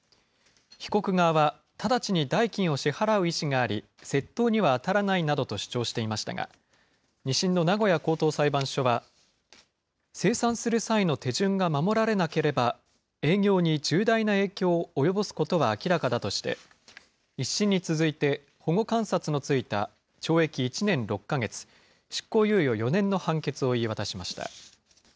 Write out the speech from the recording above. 被告側は、直ちに代金を支払う意思があり、窃盗には当たらないなどと主張していましたが、２審の名古屋高等裁判所は、精算する際の手順が守られなければ、営業に重大な影響を及ぼすことは明らかだとして、１審に続いて保護観察のついた懲役１年６か月、執行猶予４年の判決を言い渡しました。